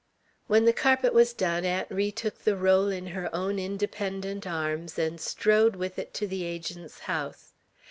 When the carpet was done, Aunt Ri took the roll in her own independent arms, and strode with it to the Agent's house.